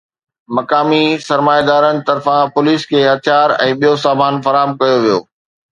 مقامي سرمائيدارن طرفان پوليس کي هٿيار ۽ ٻيو سامان فراهم ڪيو ويو